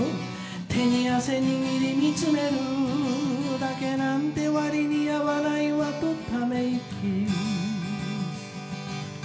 「手に汗握りみつめるだけなんて」「割に合わないわと溜息」